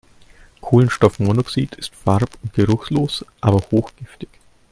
Kohlenstoffmonoxid ist farb- und geruchlos, aber hochgiftig.